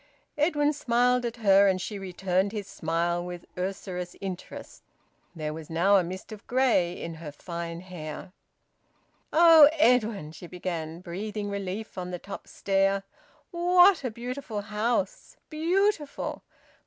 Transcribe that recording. Edwin smiled at her, and she returned his smile with usurious interest. There was now a mist of grey in her fine hair. "Oh, Edwin!" she began, breathing relief on the top stair. "What a beautiful house! Beautiful!